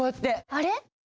あれ？